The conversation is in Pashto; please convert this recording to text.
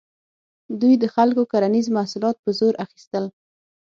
دوی د خلکو کرنیز محصولات په زور اخیستل.